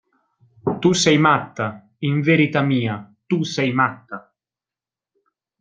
Tu sei matta, in verità mia, tu sei matta!